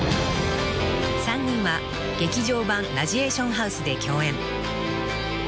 ［３人は『劇場版ラジエーションハウス』で共演］